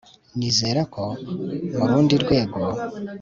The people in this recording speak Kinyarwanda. Nizera ko mu rundi rwego